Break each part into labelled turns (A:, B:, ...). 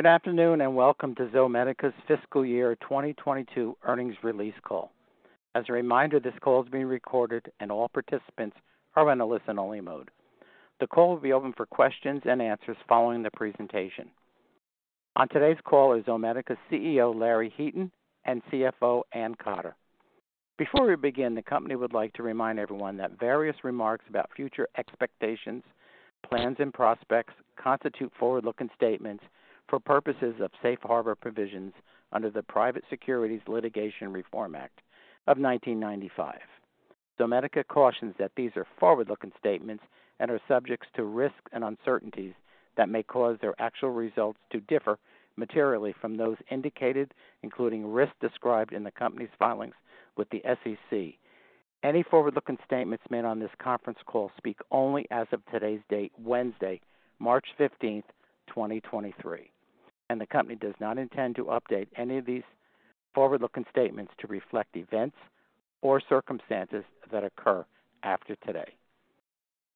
A: Good afternoon, welcome to Zomedica's Fiscal Year 2022 earnings release call. As a reminder, this call is being recorded, and all participants are in a listen-only mode. The call will be open for questions and answers following the presentation. On today's call is Zomedica's CEO, Larry Heaton, and CFO, Ann Cotter. Before we begin, the company would like to remind everyone that various remarks about future expectations, plans, and prospects constitute forward-looking statements for purposes of safe harbor provisions under the Private Securities Litigation Reform Act of 1995. Zomedica cautions that these are forward-looking statements and are subjects to risks and uncertainties that may cause their actual results to differ materially from those indicated, including risks described in the company's filings with the SEC. Any forward-looking statements made on this conference call speak only as of today's date, Wednesday, March 15th, 2023. The company does not intend to update any of these forward-looking statements to reflect events or circumstances that occur after today.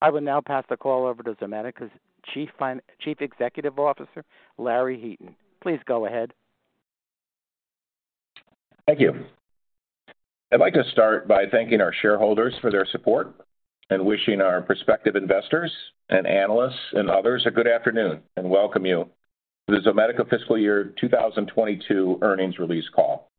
A: I will now pass the call over to Zomedica's Chief Executive Officer, Larry Heaton. Please go ahead.
B: Thank you. I'd like to start by thanking our shareholders for their support and wishing our prospective investors and analysts and others a good afternoon and welcome you to the Zomedica Fiscal Year 2022 earnings release call.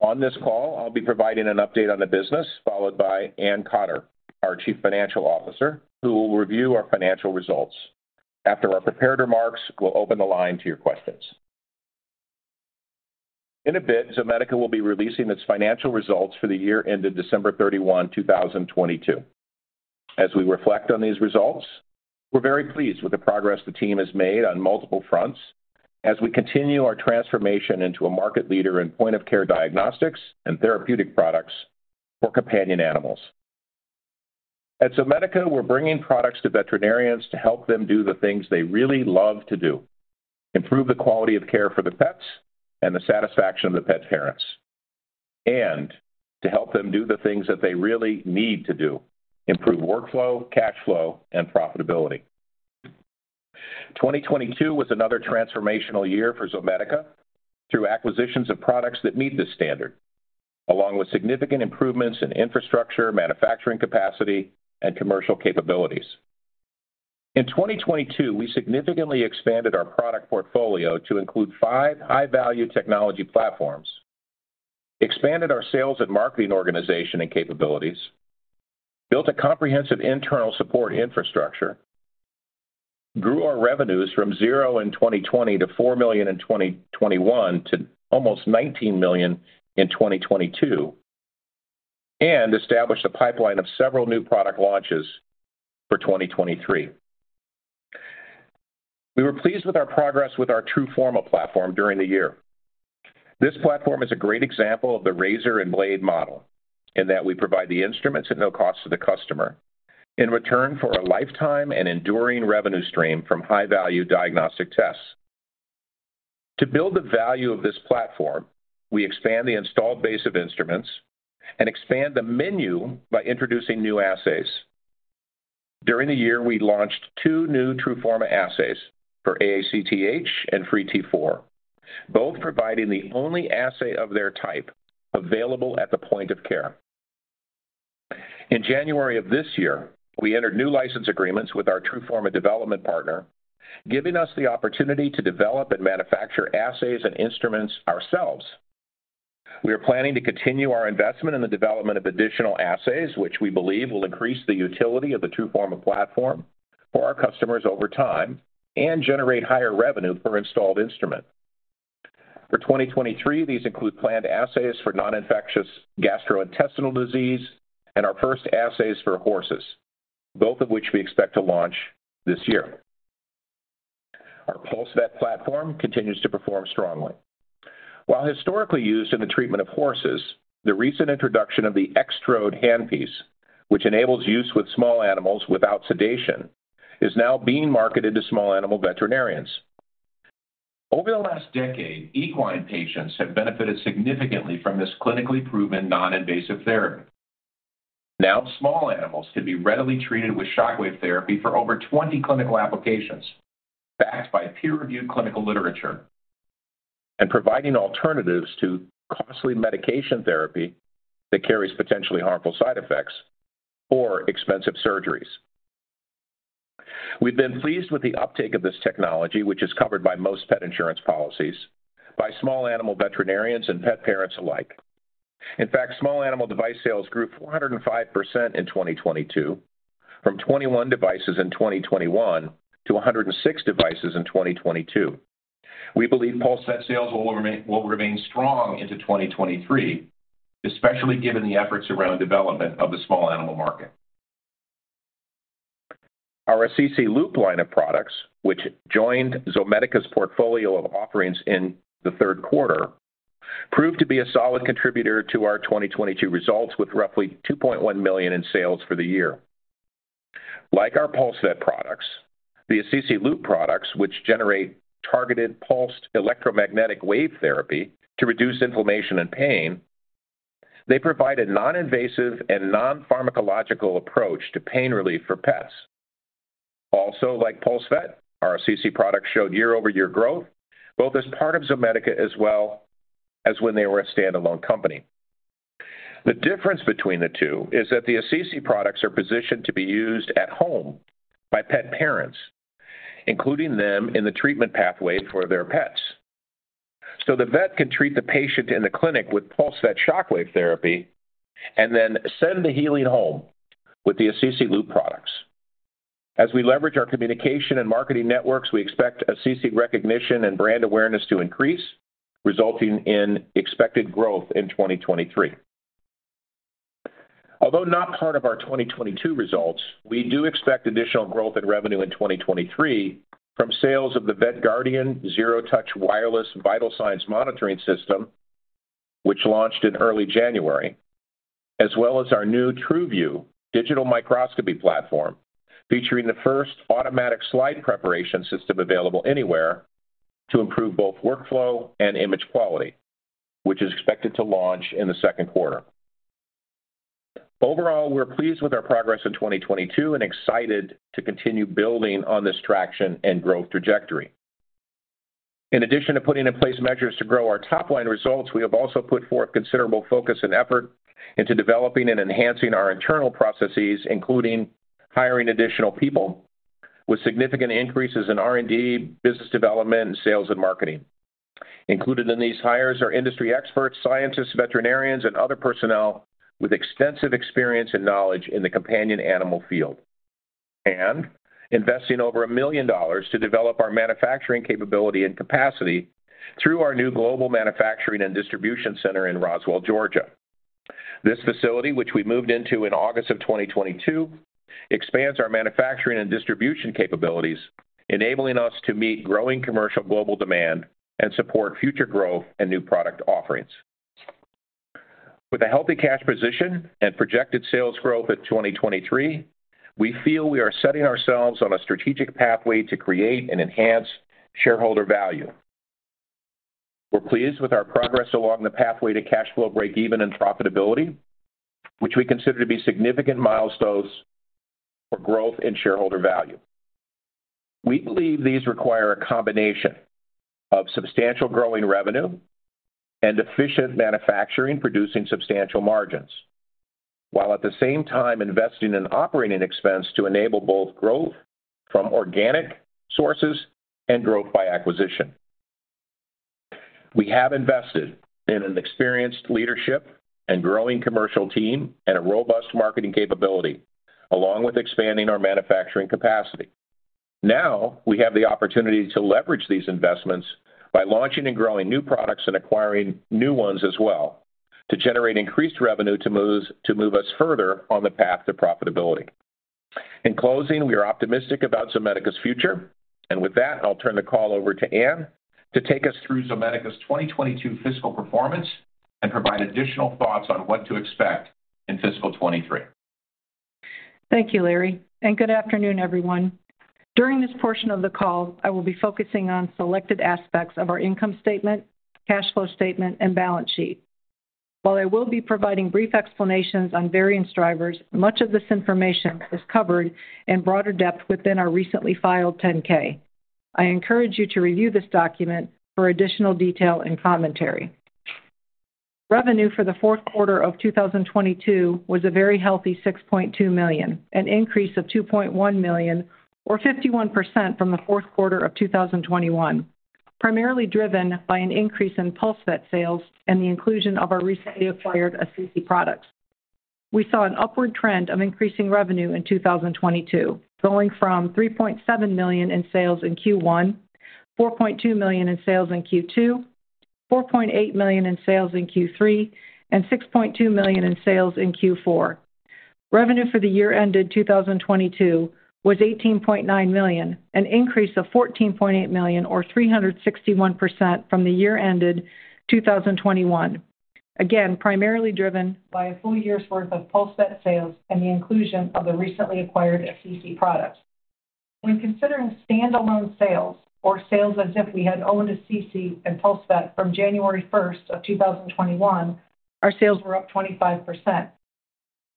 B: On this call, I'll be providing an update on the business, followed by Ann Cotter, our Chief Financial Officer, who will review our financial results. After our prepared remarks, we'll open the line to your questions. In a bit, Zomedica will be releasing its financial results for the year ended December 31, 2022. As we reflect on these results, we're very pleased with the progress the team has made on multiple fronts as we continue our transformation into a market leader in point-of-care diagnostics and therapeutic products for companion animals. At Zomedica, we're bringing products to veterinarians to help them do the things they really love to do: improve the quality of care for the pets and the satisfaction of the pet parents, and to help them do the things that they really need to do: improve workflow, cash flow, and profitability. 2022 was another transformational year for Zomedica through acquisitions of products that meet this standard, along with significant improvements in infrastructure, manufacturing capacity, and commercial capabilities. In 2022, we significantly expanded our product portfolio to include five high-value technology platforms, expanded our sales and marketing organization and capabilities, built a comprehensive internal support infrastructure, grew our revenues from $0 in 2020 to $4 million in 2021 to almost $19 million in 2022, and established a pipeline of several new product launches for 2023. We were pleased with our progress with our TRUFORMA platform during the year. This platform is a great example of the razor and blade model in that we provide the instruments at no cost to the customer in return for a lifetime and enduring revenue stream from high-value diagnostic tests. To build the value of this platform, we expand the installed base of instruments and expand the menu by introducing new assays. During the year, we launched two new TRUFORMA assays for eACTH and free T4, both providing the only assay of their type available at the point of care. In January of this year, we entered new license agreements with our TRUFORMA development partner, giving us the opportunity to develop and manufacture assays and instruments ourselves. We are planning to continue our investment in the development of additional assays, which we believe will increase the utility of the TRUFORMA platform for our customers over time and generate higher revenue per installed instrument. For 2023, these include planned assays for non-infectious gastrointestinal disease and our first assays for horses, both of which we expect to launch this year. Our PulseVet platform continues to perform strongly. While historically used in the treatment of horses, the recent introduction of the trodes handpiece, which enables use with small animals without sedation, is now being marketed to small animal veterinarians. Over the last decade, equine patients have benefited significantly from this clinically proven non-invasive therapy. Small animals can be readily treated with shockwave therapy for over 20 clinical applications backed by peer-reviewed clinical literature and providing alternatives to costly medication therapy that carries potentially harmful side effects or expensive surgeries. We've been pleased with the uptake of this technology, which is covered by most pet insurance policies by small animal veterinarians and pet parents alike. In fact, small animal device sales grew 405% in 2022 from 21 devices in 2021 to 106 devices in 2022. We believe PulseVet sales will remain strong into 2023, especially given the efforts around development of the small animal market. Our Assisi Loop line of products, which joined Zomedica's portfolio of offerings in the third quarter, proved to be a solid contributor to our 2022 results with roughly $2.1 million in sales for the year. Like our PulseVet products, the Assisi Loop products, which generate targeted pulsed electromagnetic wave therapy to reduce inflammation and pain. They provide a non-invasive and non-pharmacological approach to pain relief for pets. Like PulseVet, our Assisi products showed year-over-year growth, both as part of Zomedica as well as when they were a standalone company. The difference between the two is that the Assisi products are positioned to be used at home by pet parents, including them in the treatment pathway for their pets. The vet can treat the patient in the clinic with PulseVet shockwave therapy and then send the healing home with the Assisi Loop products. As we leverage our communication and marketing networks, we expect Assisi recognition and brand awareness to increase, resulting in expected growth in 2023. Although not part of our 2022 results, we do expect additional growth in revenue in 2023 from sales of the VetGuardian Zero Touch wireless vital signs monitoring system, which launched in early January, as well as our new TRUVIEW digital microscopy platform, featuring the first automatic slide preparation system available anywhere to improve both workflow and image quality, which is expected to launch in the second quarter. Overall, we're pleased with our progress in 2022 and excited to continue building on this traction and growth trajectory. In addition to putting in place measures to grow our top-line results, we have also put forth considerable focus and effort into developing and enhancing our internal processes, including hiring additional people with significant increases in R&D, business development, and sales and marketing. Included in these hires are industry experts, scientists, veterinarians, and other personnel with extensive experience and knowledge in the companion animal field. Investing over $1 million to develop our manufacturing capability and capacity through our new global manufacturing and distribution center in Roswell, Georgia. This facility, which we moved into in August of 2022, expands our manufacturing and distribution capabilities, enabling us to meet growing commercial global demand and support future growth and new product offerings. With a healthy cash position and projected sales growth at 2023, we feel we are setting ourselves on a strategic pathway to create and enhance shareholder value. We're pleased with our progress along the pathway to cash flow breakeven and profitability, which we consider to be significant milestones for growth and shareholder value. We believe these require a combination of substantial growing revenue and efficient manufacturing producing substantial margins, while at the same time investing in operating expense to enable both growth from organic sources and growth by acquisition. We have invested in an experienced leadership and growing commercial team and a robust marketing capability, along with expanding our manufacturing capacity. We have the opportunity to leverage these investments by launching and growing new products and acquiring new ones as well to generate increased revenue to move us further on the path to profitability. In closing, we are optimistic about Zomedica's future. With that, I'll turn the call over to Ann to take us through Zomedica's 2022 fiscal performance and provide additional thoughts on what to expect in fiscal 2023.
C: Thank you, Larry, and good afternoon, everyone. During this portion of the call, I will be focusing on selected aspects of our income statement, cash flow statement, and balance sheet. While I will be providing brief explanations on variance drivers, much of this information is covered in broader depth within our recently filed 10-K. I encourage you to review this document for additional detail and commentary. Revenue for the fourth quarter of 2022 was a very healthy $6.2 million, an increase of $2.1 million or 51% from the fourth quarter of 2021, primarily driven by an increase in PulseVet sales and the inclusion of our recently acquired Assisi products. We saw an upward trend of increasing revenue in 2022, going from $3.7 million in sales in Q1, $4.2 million in sales in Q2, $4.8 million in sales in Q3, and $6.2 million in sales in Q4. Revenue for the year ended 2022 was $18.9 million, an increase of $14.8 million or 361% from the year ended 2021. Again, primarily driven by a full year's worth of PulseVet sales and the inclusion of the recently acquired Assisi products. When considering standalone sales or sales as if we had owned Assisi and PulseVet from January first of 2021, our sales were up 25%.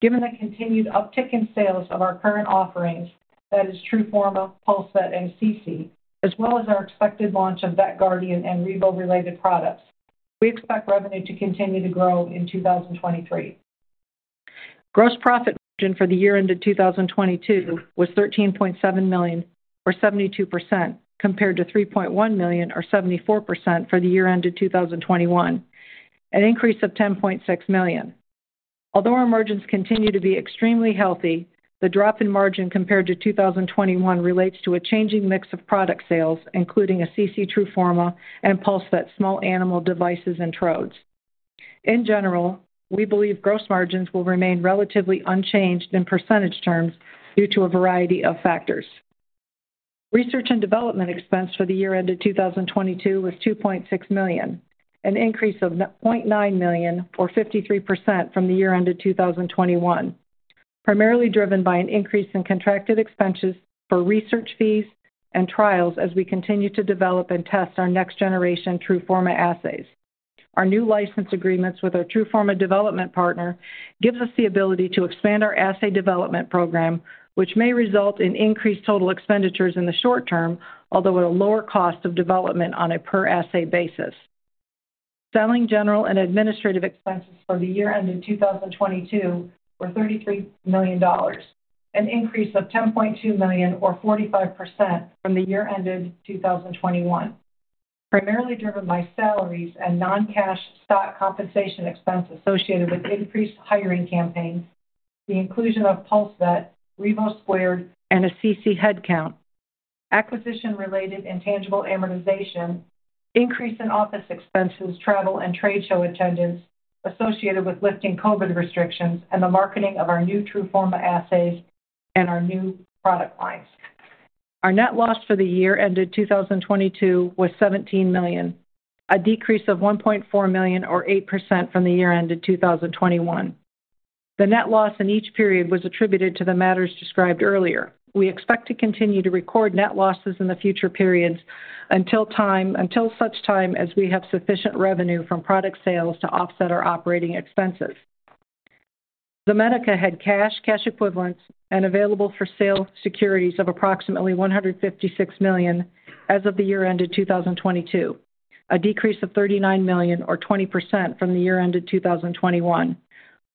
C: Given the continued uptick in sales of our current offerings, that is, TRUFORMA, PulseVet, and Assisi, as well as our expected launch of VetGuardian and Revo products, we expect revenue to continue to grow in 2023. Gross profit margin for the year ended 2022 was $13.7 million or 72% compared to $3.1 million or 74% for the year ended 2021, an increase of $10.6 million. Our margins continue to be extremely healthy, the drop in margin compared to 2021 relates to a changing mix of product sales, including Assisi TRUFORMA and PulseVet small animal devices and trodes. In general, we believe gross margins will remain relatively unchanged in percentage terms due to a variety of factors. Research and development expense for the year ended 2022 was $2.6 million, an increase of $0.9 million or 53% from the year ended 2021. Primarily driven by an increase in contracted expenses for research fees and trials as we continue to develop and test our next-generation TRUFORMA assays. Our new license agreements with our TRUFORMA development partner gives us the ability to expand our assay development program, which may result in increased total expenditures in the short term, although at a lower cost of development on a per-assay basis. Selling, general, and administrative expenses for the year ended 2022 were $33 million, an increase of $10.2 million or 45% from the year ended 2021. Primarily driven by salaries and non-cash stock compensation expense associated with increased hiring campaigns, the inclusion of PulseVet, Revo Squared, and Assisi headcount, acquisition-related intangible amortization, increase in office expenses, travel, and trade show attendance associated with lifting COVID restrictions, and the marketing of our new TRUFORMA assays and our new product lines. Our net loss for the year ended 2022 was $17 million, a decrease of $1.4 million or 8% from the year ended 2021. The net loss in each period was attributed to the matters described earlier. We expect to continue to record net losses in the future periods until such time as we have sufficient revenue from product sales to offset our operating expenses. Zomedica had cash equivalents, and available-for-sale securities of approximately $156 million as of the year ended 2022, a decrease of $39 million or 20% from the year ended 2021,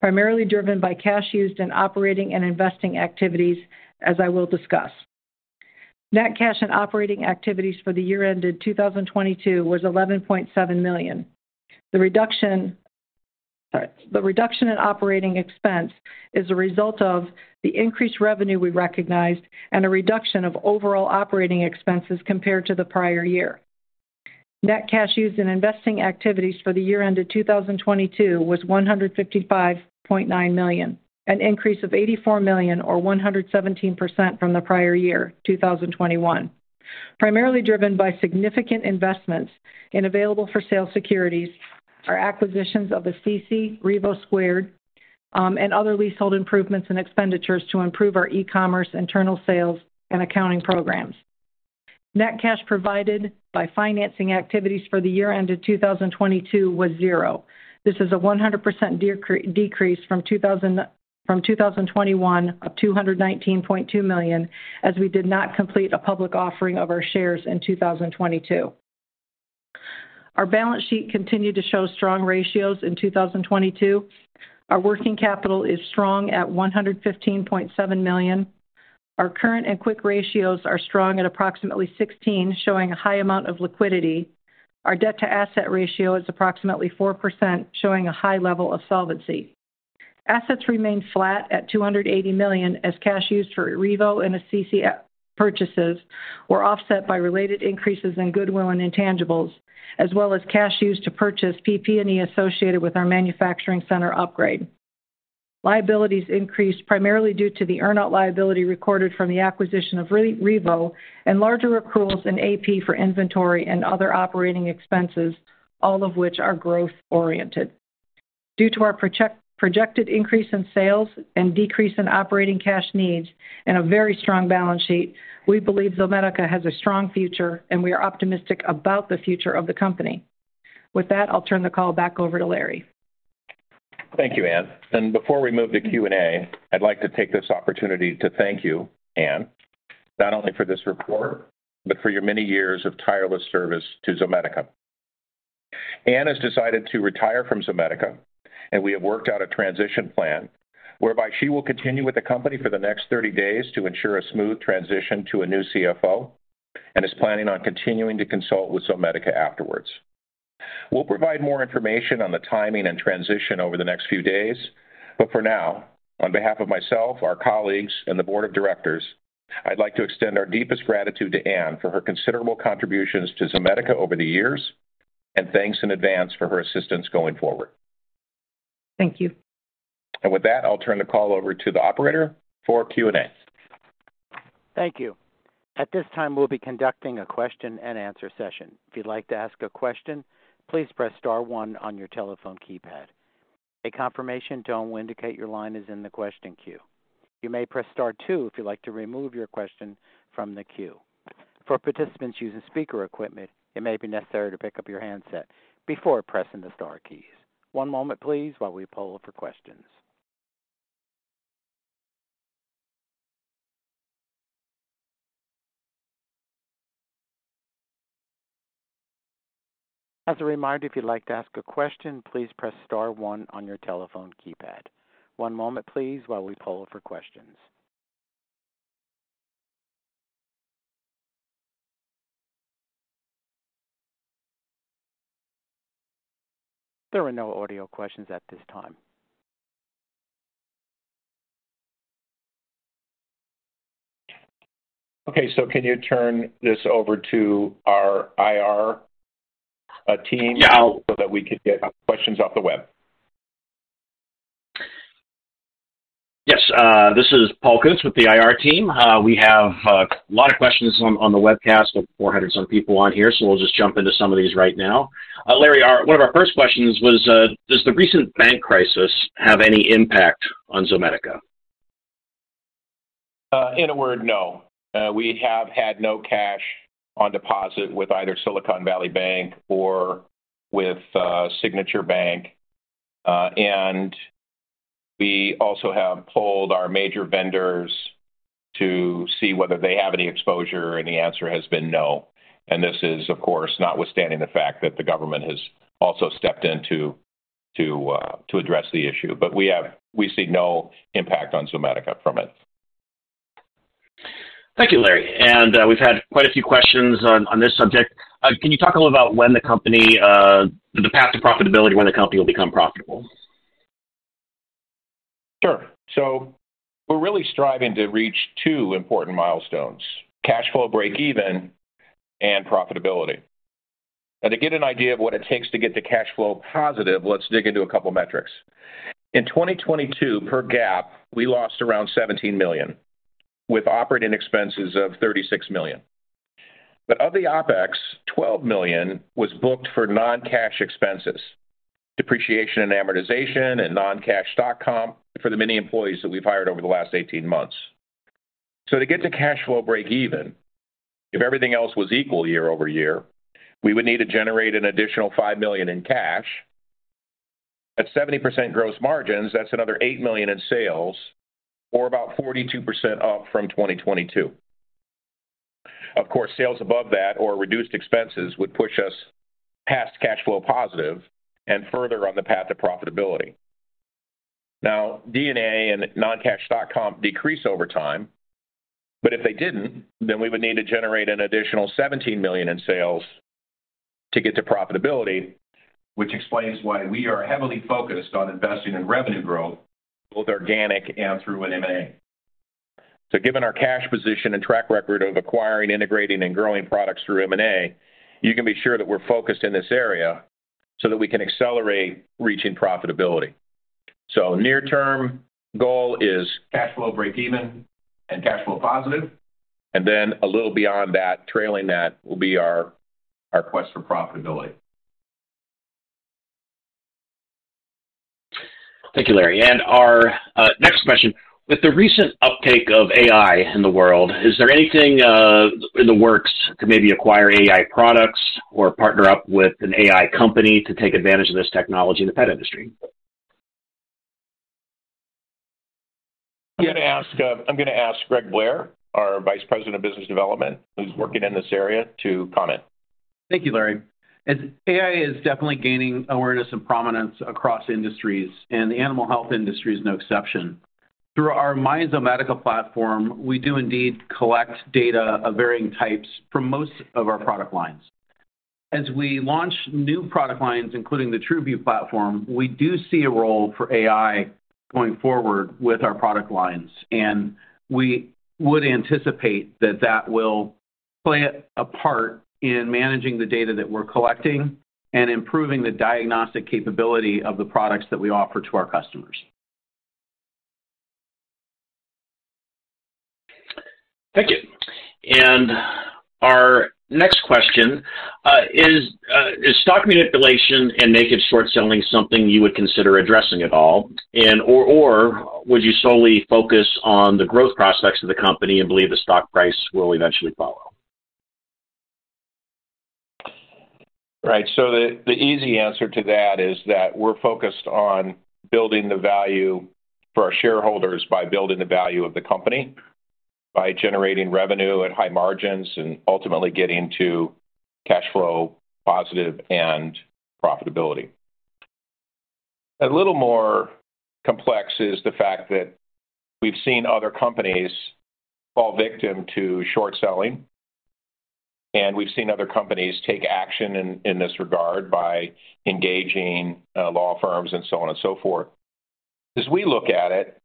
C: primarily driven by cash used in operating and investing activities, as I will discuss. Net cash in operating activities for the year ended 2022 was $11.7 million. Sorry. The reduction in operating expense is a result of the increased revenue we recognized and a reduction of overall operating expenses compared to the prior year. Net cash used in investing activities for the year ended 2022 was $155.9 million, an increase of $84 million or 117% from the prior year, 2021. Primarily driven by significant investments in available for sale securities, our acquisitions of Assisi, Revo Squared, and other leasehold improvements and expenditures to improve our e-commerce, internal sales, and accounting programs. Net cash provided by financing activities for the year ended 2022 was 0. This is a 100% decrease from 2021 of $219.2 million, as we did not complete a public offering of our shares in 2022. Our balance sheet continued to show strong ratios in 2022. Our working capital is strong at $115.7 million. Our current and quick ratios are strong at approximately 16, showing a high amount of liquidity. Our debt-to-asset ratio is approximately 4%, showing a high level of solvency. Assets remained flat at $280 million, as cash used for Revo and Assisi purchases were offset by related increases in goodwill and intangibles, as well as cash used to purchase PP&E associated with our manufacturing center upgrade. Liabilities increased primarily due to the earn-out liability recorded from the acquisition of Revo and larger accruals in AP for inventory and other operating expenses, all of which are growth-oriented. Due to our projected increase in sales and decrease in operating cash needs and a very strong balance sheet, we believe Zomedica has a strong future, and we are optimistic about the future of the company. With that, I'll turn the call back over to Larry.
B: Thank you, Ann. Before we move to Q&A, I'd like to take this opportunity to thank you, Ann, not only for this report, but for your many years of tireless service to Zomedica. Ann has decided to retire from Zomedica, and we have worked out a transition plan whereby she will continue with the company for the next 30 days to ensure a smooth transition to a new CFO and is planning on continuing to consult with Zomedica afterwards. We'll provide more information on the timing and transition over the next few days, for now, on behalf of myself, our colleagues, and the board of directors, I'd like to extend our deepest gratitude to Ann for her considerable contributions to Zomedica over the years, and thanks in advance for her assistance going forward.
C: Thank you.
B: With that, I'll turn the call over to the operator for Q&A.
A: Thank you. At this time, we'll be conducting a question and answer session. If you'd like to ask a question, please press star one on your telephone keypad. A confirmation tone will indicate your line is in the question queue. You may press star two if you'd like to remove your question from the queue. For participants using speaker equipment, it may be necessary to pick up your handset before pressing the star keys. One moment, please, while we poll for questions. As a reminder, if you'd like to ask a question, please press star one on your telephone keypad. One moment, please, while we poll for questions. There are no audio questions at this time.
B: Okay. can you turn this over to our IR.
D: Yeah.
B: That we can get questions off the web?
D: Yes. This is Paul Kunz with the IR team. We have a lot of questions on the webcast with 400 some people on here, we'll just jump into some of these right now. Larry, one of our first questions was, does the recent bank crisis have any impact on Zomedica?
B: In a word, no. We have had no cash on deposit with either Silicon Valley Bank or with, Signature Bank. We also have polled our major vendors to see whether they have any exposure, and the answer has been no. This is, of course, notwithstanding the fact that the government has also stepped in to address the issue. We see no impact on Zomedica from it.
D: Thank you, Larry. We've had quite a few questions on this subject. Can you talk a little about when the company, the path to profitability, when the company will become profitable?
B: Sure. We're really striving to reach two important milestones, cash flow break even and profitability. To get an idea of what it takes to get to cash flow positive, let's dig into a couple metrics. In 2022, per GAAP, we lost around $17 million, with operating expenses of $36 million. Of the OpEx, $12 million was booked for non-cash expenses, depreciation and amortization and non-cash stock comp for the many employees that we've hired over the last 18 months. To get to cash flow break even, if everything else was equal year-over-year, we would need to generate an additional $5 million in cash. At 70% gross margins, that's another $8 million in sales or about 42% up from 2022. Of course, sales above that or reduced expenses would push us past cash flow positive and further on the path to profitability. D&A and non-cash stock comp decrease over time, but if they didn't, then we would need to generate an additional $17 million in sales to get to profitability, which explains why we are heavily focused on investing in revenue growth, both organic and through an M&A. Given our cash position and track record of acquiring, integrating, and growing products through M&A, you can be sure that we're focused in this area so that we can accelerate reaching profitability. Near term goal is cash flow break even and cash flow positive, and then a little beyond that, trailing that will be our quest for profitability.
D: Thank you, Larry. Our next question: With the recent uptake of AI in the world, is there anything in the works to maybe acquire AI products or partner up with an AI company to take advantage of this technology in the pet industry?
B: I'm gonna ask Greg Blair, our vice president of business development, who's working in this area, to comment.
E: Thank you, Larry. As AI is definitely gaining awareness and prominence across industries, and the animal health industry is no exception. Through our myZomedica platform, we do indeed collect data of varying types from most of our product lines. As we launch new product lines, including the TRUVIEW platform, we do see a role for AI going forward with our product lines, and we would anticipate that that will play a part in managing the data that we're collecting and improving the diagnostic capability of the products that we offer to our customers.
D: Thank you. Our next question, is stock manipulation and naked short selling something you would consider addressing at all? And/or would you solely focus on the growth prospects of the company and believe the stock price will eventually follow?
B: Right. The easy answer to that is that we're focused on building the value for our shareholders by building the value of the company, by generating revenue at high margins and ultimately getting to cash flow positive and profitability. A little more complex is the fact that we've seen other companies fall victim to short selling, and we've seen other companies take action in this regard by engaging law firms and so on and so forth. As we look at it,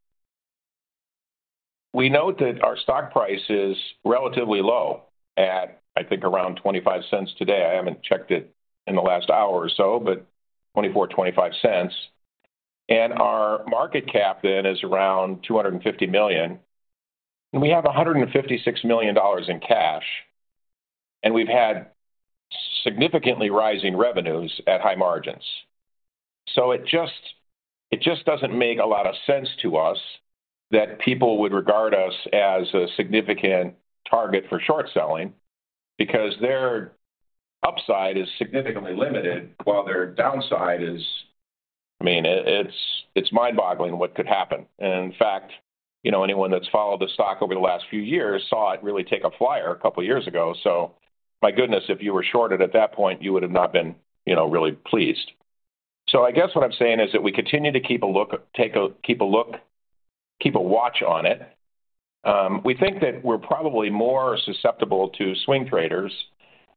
B: we note that our stock price is relatively low at, I think, around $0.25 today. I haven't checked it in the last hour or so, but $0.24, $0.25. Our market cap then is around $250 million. We have $156 million in cash, and we've had significantly rising revenues at high margins. It just doesn't make a lot of sense to us that people would regard us as a significant target for short selling because their upside is significantly limited while their downside is. I mean, it's mind-boggling what could happen. In fact, you know, anyone that's followed the stock over the last few years saw it really take a flyer a couple years ago. My goodness, if you were shorted at that point, you would have not been, you know, really pleased. I guess what I'm saying is that we continue to keep a look, keep a watch on it. We think that we're probably more susceptible to swing traders,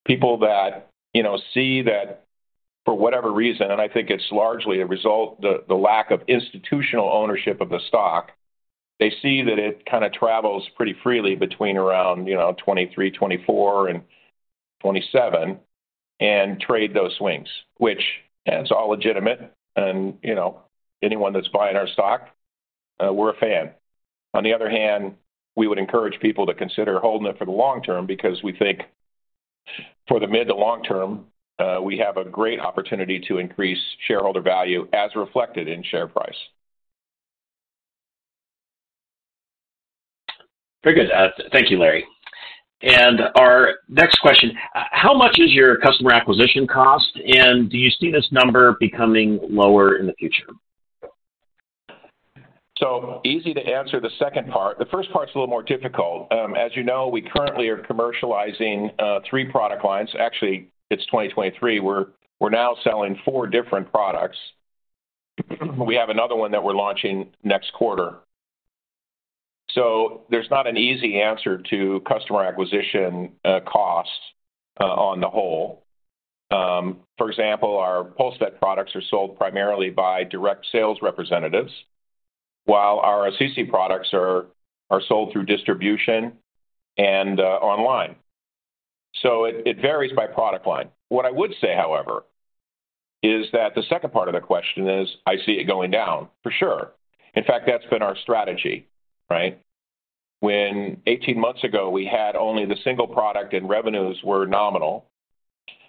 B: people that, you know, see that for whatever reason, and I think it's largely a result the lack of institutional ownership of the stock. They see that it kinda travels pretty freely between around, you know, $23, $24 and $27 and trade those swings, which it's all legitimate and, you know, anyone that's buying our stock, we're a fan. On the other hand, we would encourage people to consider holding it for the long term because For the mid to long term, we have a great opportunity to increase shareholder value as reflected in share price.
D: Very good. Thank you, Larry. Our next question, how much is your customer acquisition cost, and do you see this number becoming lower in the future?
B: Easy to answer the second part. The first part's a little more difficult. As you know, we currently are commercializing three product lines. Actually, it's 2023, we're now selling four different products. We have another one that we're launching next quarter. There's not an easy answer to customer acquisition cost on the whole. For example, our PulseVet products are sold primarily by direct sales representatives, while our Assisi products are sold through distribution and online. It varies by product line. What I would say, however, is that the second part of the question is I see it going down for sure. In fact, that's been our strategy, right? When 18 months ago we had only the one product and revenues were nominal,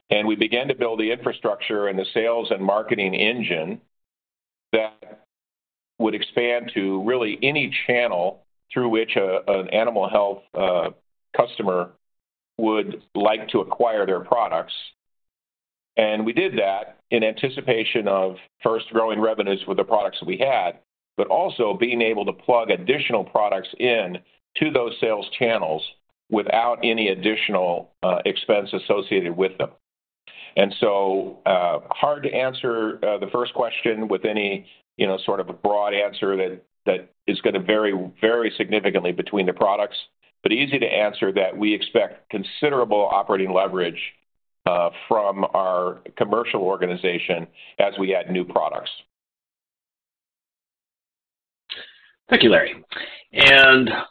B: we began to build the infrastructure and the sales and marketing engine that would expand to really any channel through which a, an animal health customer would like to acquire their products. We did that in anticipation of first growing revenues with the products we had, but also being able to plug additional products in to those sales channels without any additional expense associated with them. Hard to answer the first question with any, you know, sort of a broad answer that is gonna vary significantly between the products, but easy to answer that we expect considerable operating leverage from our commercial organization as we add new products.
D: Thank you, Larry.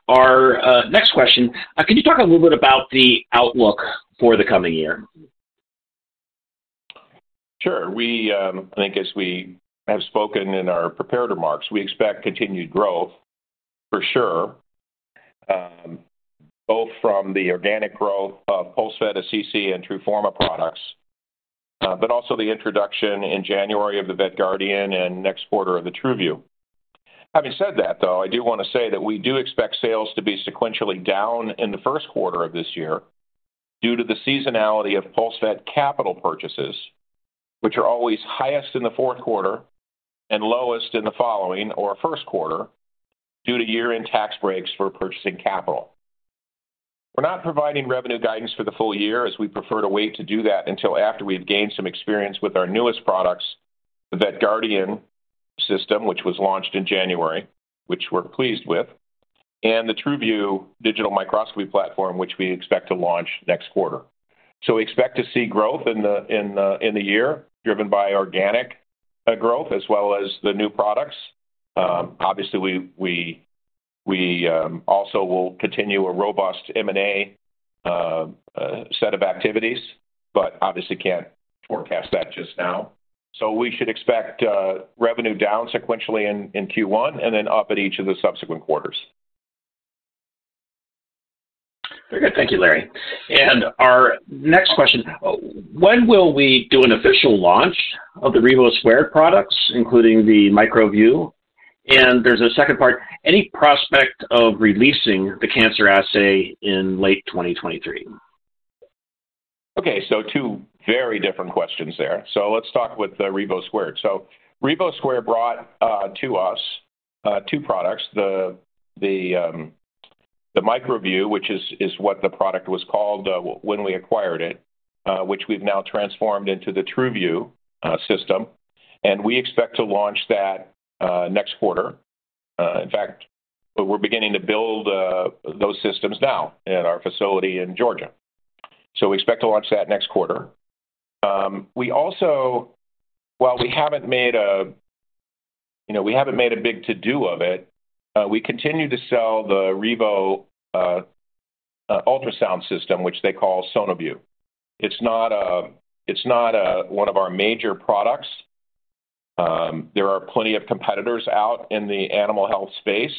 D: Our next question, could you talk a little bit about the outlook for the coming year?
B: Sure. We, I think as we have spoken in our prepared remarks, we expect continued growth for sure, both from the organic growth of PulseVet, Assisi, and TRUFORMA products, but also the introduction in January of the VetGuardian and next quarter of the TRUVIEW. Having said that, though, I do wanna say that we do expect sales to be sequentially down in the first quarter of this year due to the seasonality of PulseVet capital purchases, which are always highest in the fourth quarter and lowest in the following or first quarter due to year-end tax breaks for purchasing capital. We're not providing revenue guidance for the full year, as we prefer to wait to do that until after we've gained some experience with our newest products, the VetGuardian system, which was launched in January, which we're pleased with, and the TRUVIEW digital microscopy platform, which we expect to launch next quarter. We expect to see growth in the year, driven by organic growth as well as the new products. Obviously, we also will continue a robust M&A set of activities, but obviously can't forecast that just now. We should expect revenue down sequentially in Q1 and then up at each of the subsequent quarters.
D: Very good. Thank you, Larry. Our next question, when will we do an official launch of the Revo Squared products, including the MicroView? There's a second part, any prospect of releasing the cancer assay in late 2023?
B: Okay, two very different questions there. Let's talk with the Revo Squared. Revo Squared brought to us two products. The MicroView, which is what the product was called when we acquired it, which we've now transformed into the TRUVIEW system, and we expect to launch that next quarter. In fact, we're beginning to build those systems now at our facility in Georgia. We expect to launch that next quarter. We also, while we haven't made a, you know, we haven't made a big to-do of it, we continue to sell the Revo ultrasound system, which they call SonoView. It's not a one of our major products. There are plenty of competitors out in the animal health space.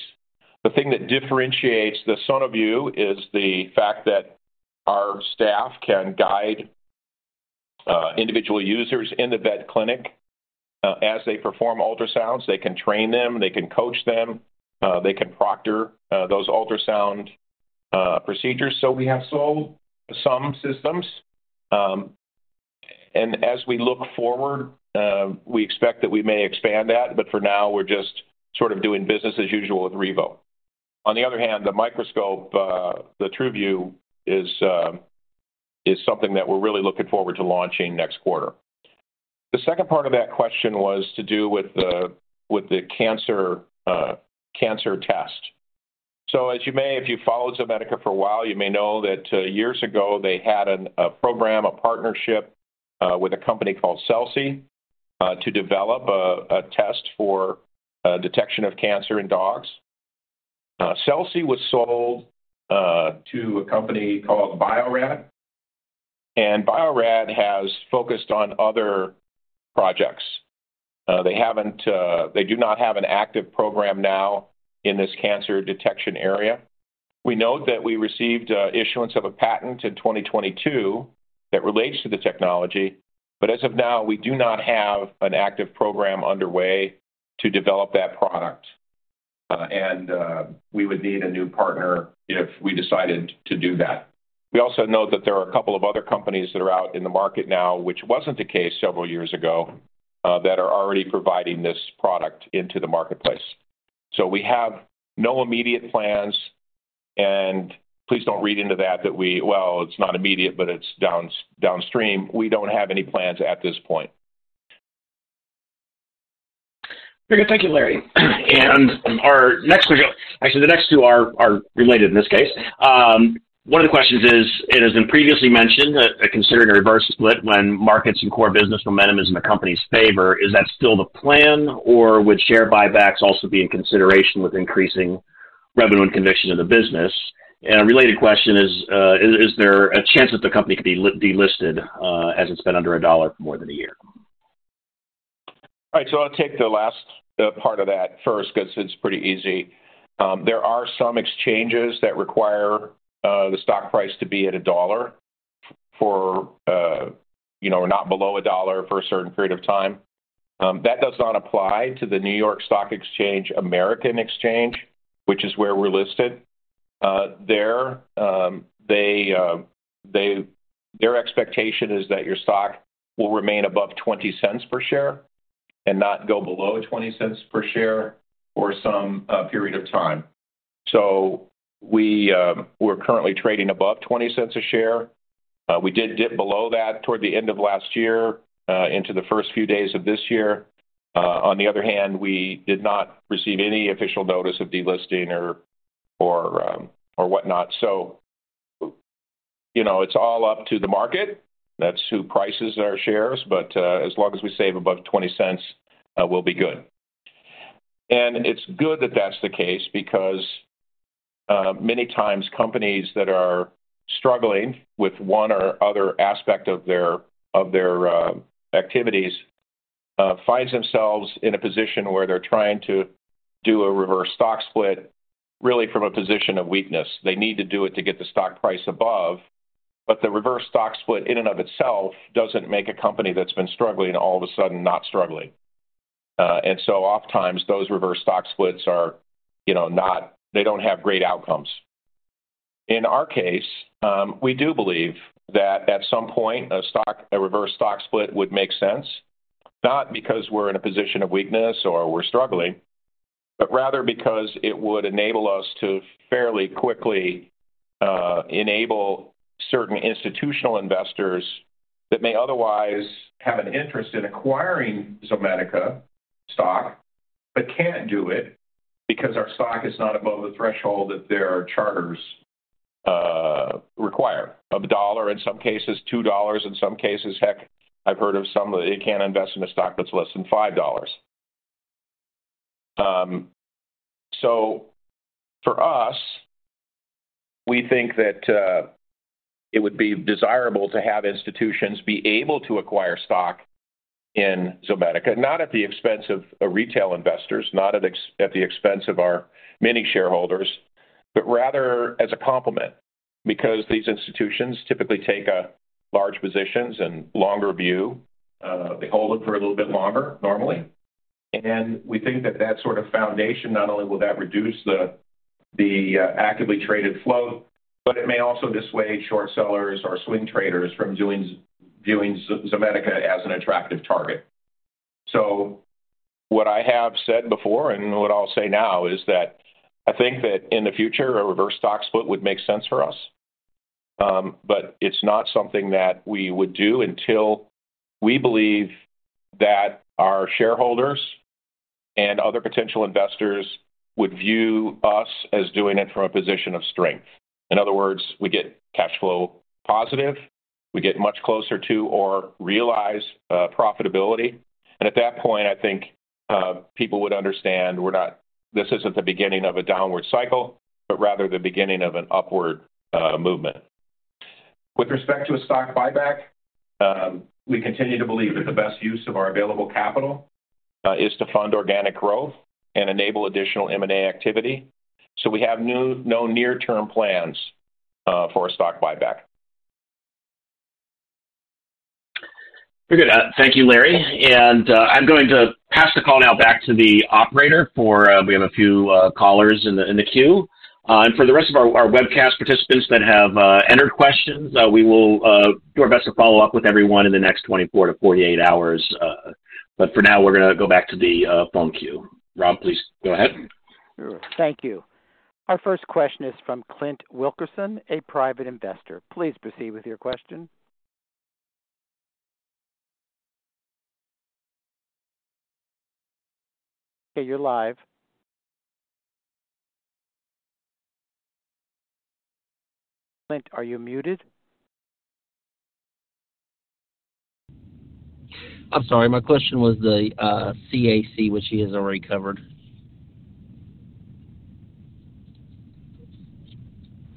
B: The thing that differentiates the SonoView is the fact that our staff can guide individual users in the vet clinic as they perform ultrasounds. They can train them. They can coach them. They can proctor those ultrasound procedures. We have sold some systems. As we look forward, we expect that we may expand that, but for now, we're just sort of doing business as usual with Revo. On the other hand, the microscope, the TRUVIEW is something that we're really looking forward to launching next quarter. The second part of that question was to do with the, with the cancer test. As you may, if you've followed Zomedica for a while, you may know that, years ago, they had a program, a partnership, with a company called Celsee, to develop a test for detection of cancer in dogs. Celsee was sold to a company called Bio-Rad, and Bio-Rad has focused on other projects. They do not have an active program now in this cancer detection area. We know that we received issuance of a patent in 2022 that relates to the technology, but as of now, we do not have an active program underway to develop that product. We would need a new partner if we decided to do that. We also know that there are a couple of other companies that are out in the market now, which wasn't the case several years ago that are already providing this product into the marketplace. We have no immediate plans, and please don't read into that that we... Well, it's not immediate, but it's downstream. We don't have any plans at this point.
D: Very good. Thank you, Larry. Our next question. Actually, the next two are related in this case. One of the questions is, it has been previously mentioned that considering a reverse split when markets and core business momentum is in the company's favor, is that still the plan, or would share buybacks also be in consideration with increasing revenue and conviction in the business? A related question is there a chance that the company could be delisted, as it's been under $1 for more than one year?
B: All right, I'll take the last part of that first because it's pretty easy. There are some exchanges that require the stock price to be at $1 for, you know, or not below $1 for a certain period of time. That does not apply to the NYSE American Exchange, which is where we're listed. There, they, their expectation is that your stock will remain above $0.20 per share and not go below $0.20 per share for some period of time. We're currently trading above $0.20 a share. We did dip below that toward the end of last year, into the first few days of this year. On the other hand, we did not receive any official notice of delisting or whatnot. You know, it's all up to the market. That's who prices our shares. As long as we stay above $0.20, we'll be good. It's good that that's the case because many times companies that are struggling with one or other aspect of their activities, finds themselves in a position where they're trying to do a reverse stock split really from a position of weakness. They need to do it to get the stock price above. The reverse stock split in and of itself doesn't make a company that's been struggling all of a sudden not struggling. Oftimes, those reverse stock splits are, you know, not. They don't have great outcomes. In our case, we do believe that at some point a stock, a reverse stock split would make sense, not because we're in a position of weakness or we're struggling, but rather because it would enable us to fairly quickly enable certain institutional investors that may otherwise have an interest in acquiring Zomedica stock but can't do it because our stock is not above the threshold that their charters require, of $1 in some cases, $2 in some cases. Heck, I've heard of some that they can't invest in a stock that's less than $5. For us, we think that it would be desirable to have institutions be able to acquire stock in Zomedica, not at the expense of retail investors, not at the expense of our many shareholders, but rather as a complement because these institutions typically take large positions and longer view. They hold it for a little bit longer normally. We think that that sort of foundation, not only will that reduce the actively traded float, but it may also dissuade short sellers or swing traders from viewing Zomedica as an attractive target. What I have said before and what I'll say now is that I think that in the future, a reverse stock split would make sense for us. It's not something that we would do until we believe that our shareholders and other potential investors would view us as doing it from a position of strength. In other words, we get cash flow positive, we get much closer to or realize profitability, and at that point, I think people would understand this isn't the beginning of a downward cycle, but rather the beginning of an upward movement. With respect to a stock buyback, we continue to believe that the best use of our available capital is to fund organic growth and enable additional M&A activity. We have no near-term plans for a stock buyback.
D: Very good. Thank you, Larry. I'm going to pass the call now back to the operator for, we have a few callers in the queue. For the rest of our webcast participants that have entered questions, we will do our best to follow up with everyone in the next 24 to 48 hours. For now, we're gonna go back to the phone queue. Rob, please go ahead.
A: Sure. Thank you. Our first question is from Clint Wilkerson, a private investor. Please proceed with your question. Okay, you're live. Clint, are you muted?
F: I'm sorry. My question was the CAC, which he has already covered.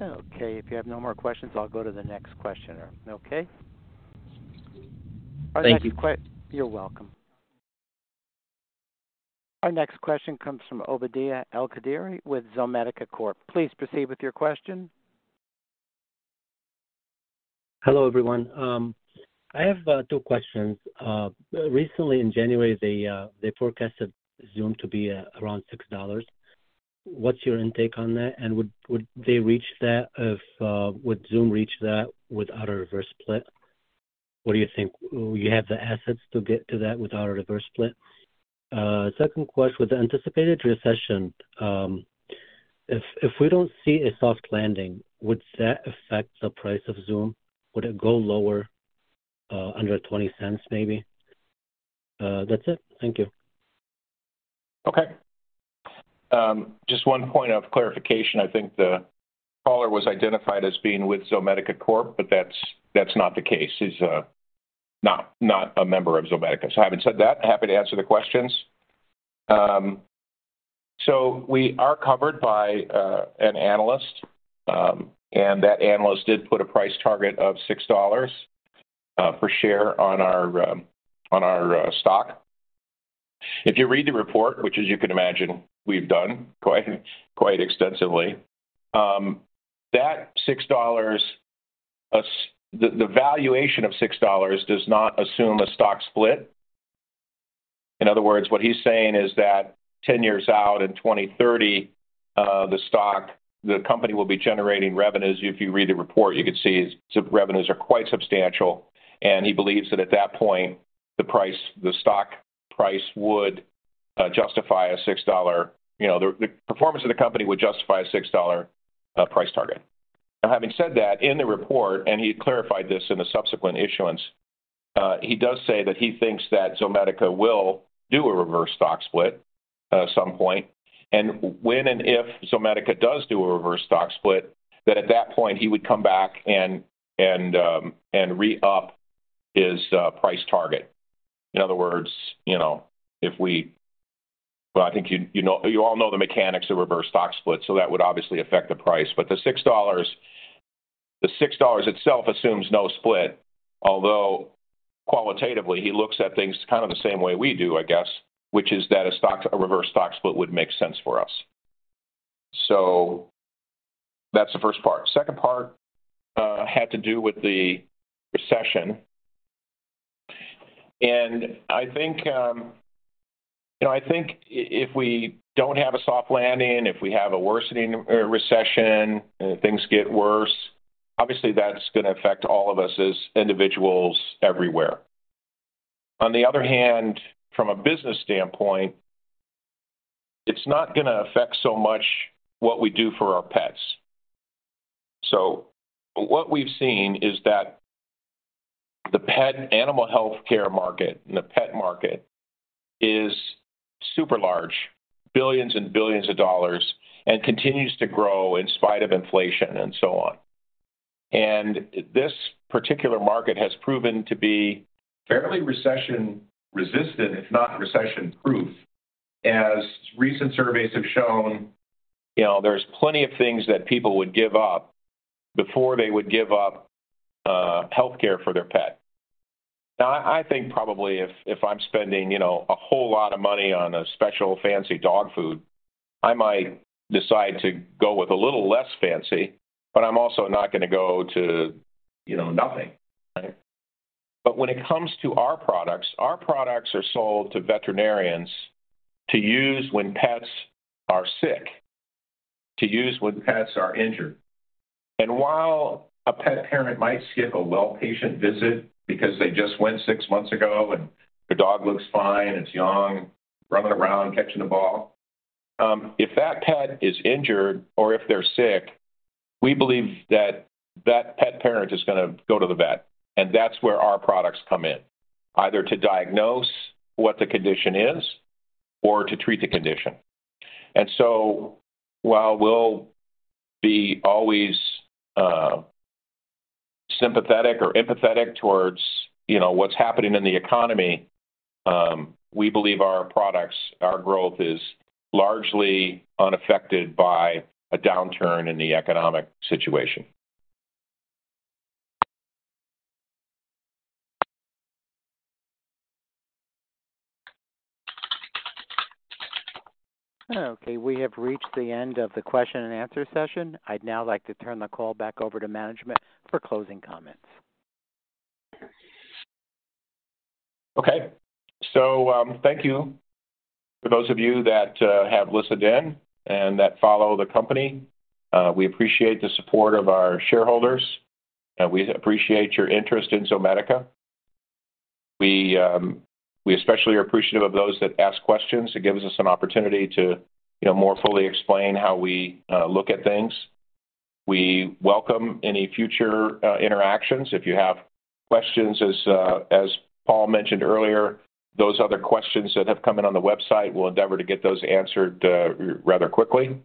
A: Okay, if you have no more questions, I'll go to the next questioner. Okay?
F: Thank you.
A: You're welcome. Our next question comes from Obadiah El-Kadiri with Zomedica. Please proceed with your question.
G: Hello, everyone. I have two questions. Recently in January, they forecasted Zomedica to be around $6. What's your intake on that? Would they reach that if Zomedica reach that without a reverse split? What do you think? You have the assets to get to that without a reverse split. Second, with the anticipated recession, if we don't see a soft landing, would that affect the price of Zomedica? Would it go lower, under $0.20 maybe? That's it. Thank you.
B: Okay. Just one point of clarification. I think the caller was identified as being with Zomedica Corp, but that's not the case. He's not a member of Zomedica. Having said that, happy to answer the questions. We are covered by an analyst, and that analyst did put a price target of $6 per share on our stock. If you read the report, which as you can imagine, we've done quite extensively, the valuation of $6 does not assume a stock split. In other words, what he's saying is that 10 years out in 2030, the stock, the company will be generating revenues. If you read the report, you can see its revenues are quite substantial. He believes that at that point, you know, the performance of the company would justify a $6 price target. Having said that, in the report, and he clarified this in a subsequent issuance, he does say that he thinks that Zomedica will do a reverse stock split at some point, and when and if Zomedica does do a reverse stock split, then at that point, he would come back and re-up his price target. Well, I think you know, you all know the mechanics of reverse stock splits, so that would obviously affect the price. The $6 itself assumes no split, although qualitatively, he looks at things kind of the same way we do, I guess, which is that a stock, a reverse stock split would make sense for us. That's the first part. Second part had to do with the recession. I think, you know, I think if we don't have a soft landing, if we have a worsening recession, things get worse, obviously that's gonna affect all of us as individuals everywhere. On the other hand, from a business standpoint, it's not gonna affect so much what we do for our pets. What we've seen is that the pet animal healthcare market and the pet market is super large, $billions and billions, and continues to grow in spite of inflation and so on. This particular market has proven to be fairly recession-resistant, if not recession-proof, as recent surveys have shown, you know, there's plenty of things that people would give up before they would give up healthcare for their pet. I think probably if I'm spending, you know, a whole lot of money on a special fancy dog food, I might decide to go with a little less fancy, but I'm also not gonna go to, you know, nothing. When it comes to our products, our products are sold to veterinarians to use when pets are sick, to use when pets are injured. While a pet parent might skip a well patient visit because they just went six months ago and the dog looks fine, it's young, running around, catching a ball, if that pet is injured or if they're sick, we believe that that pet parent is gonna go to the vet, and that's where our products come in, either to diagnose what the condition is or to treat the condition. While we'll be always sympathetic or empathetic towards, you know, what's happening in the economy, we believe our products, our growth is largely unaffected by a downturn in the economic situation.
A: We have reached the end of the question and answer session. I'd now like to turn the call back over to management for closing comments.
B: Thank you for those of you that have listened in and that follow the company. We appreciate the support of our shareholders, and we appreciate your interest in Zomedica. We especially are appreciative of those that ask questions. It gives us an opportunity to, you know, more fully explain how we look at things. We welcome any future interactions. If you have questions, as Paul mentioned earlier, those other questions that have come in on the website, we'll endeavor to get those answered rather quickly,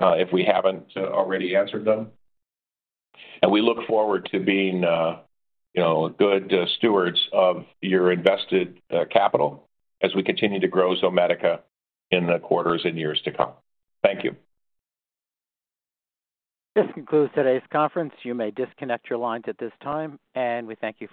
B: if we haven't already answered them. We look forward to being, you know, good stewards of your invested capital as we continue to grow Zomedica in the quarters and years to come. Thank you.
A: This concludes today's conference. You may disconnect your lines at this time, and we thank you for your participation.